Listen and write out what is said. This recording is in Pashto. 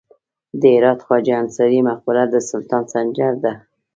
د هرات خواجه انصاري مقبره د سلطان سنجر ده